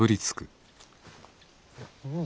うん。